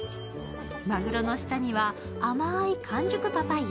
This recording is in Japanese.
マグロの下には甘い完熟パパイヤ。